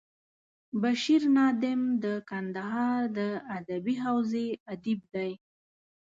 بشیر نادم د کندهار د ادبي حوزې ادیب دی.